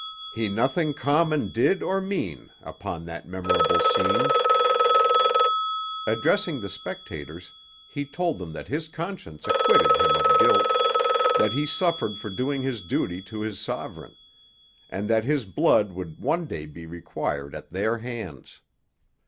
He nothing common did or mean Upon that memorable scene Addressing the spectators, he told them that his conscience acquitted him of guilt; that he suffered for doing his duty to his sovereign; and that his blood would one day be required at their hands.